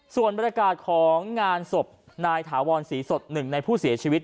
ส่วนบรรยากาศของงานศพนายถาวรศรีสดหนึ่งในผู้เสียชีวิต